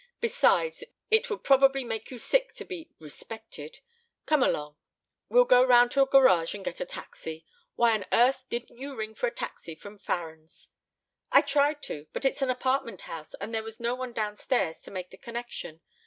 Besides, it would probably make you sick to be 'respected.' Come along. We'll go round to a garage and get a taxi. Why on earth didn't you ring for a taxi from Farren's?" "I tried to, but it's an apartment house and there was no one downstairs to make the connection.